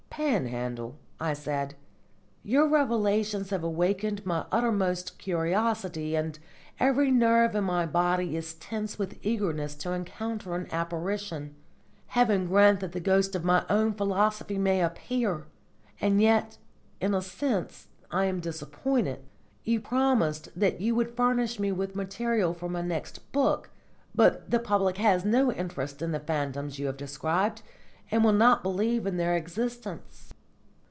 "Panhandle," I said, "your revelations have awakened my uttermost curiosity, and every nerve in my body is tense with eagerness to encounter an apparition. Heaven grant that the ghost of my own philosophy may appear! And yet, in a sense, I am disappointed. You promised that you would furnish me with material for my next book. But the public has no interest in the phantoms you have described, and will not believe in their existence."